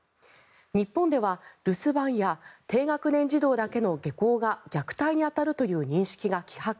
日本では留守番や低学年児童だけの下校が虐待に当たるという認識が希薄。